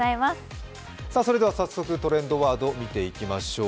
早速、トレンドワード見てまいりましょう。